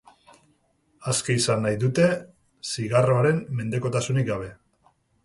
Aske izan nahi dute, zigarroaren mendekotasunik gabe.